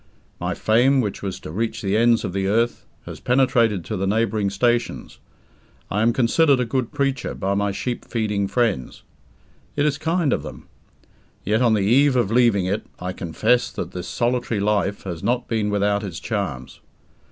My fame which was to reach the ends of the earth has penetrated to the neighbouring stations. I am considered a "good preacher" by my sheep feeding friends. It is kind of them. Yet, on the eve of leaving it, I confess that this solitary life has not been without its charms.